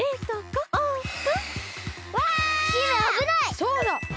そうだ！